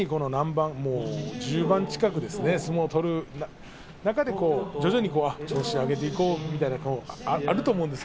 一日に１０番近く相撲を取る中で徐々に調子を上げていこうというそういうことがあります。